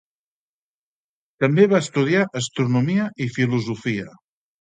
També va estudiar astronomia i filosofia.